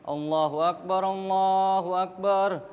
allahu akbar allahu akbar